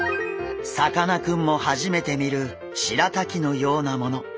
さかなクンも初めて見るしらたきのようなもの。